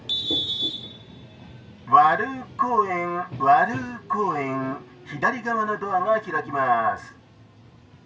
「ワル公園ワル公園左側のドアが開きます」。